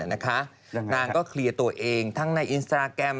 นางก็เคลียร์ตัวเองทั้งในอินสตราแกรม